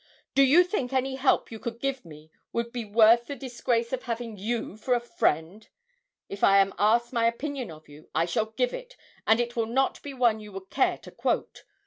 Do you think any help you could give me would be worth the disgrace of having you for a friend? If I am asked my opinion of you, I shall give it, and it will not be one you would care to quote.